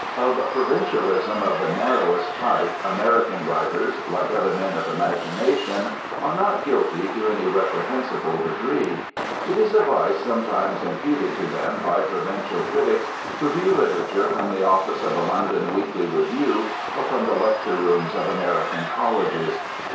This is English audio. Of provincialism of the narrowest type American writers, like other men of imagination, are not guilty to any reprehensible degree. It is a vice sometimes imputed to them by provincial critics who view literature from the office of a London weekly review or from the lecture rooms of American colleges.